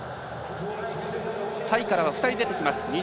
タイからは２人出てきます